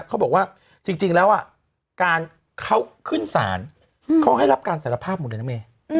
เขาบอกว่าจริงแล้วการเขาขึ้นศาลเขาให้รับการสารภาพหมดเลยนะเมย์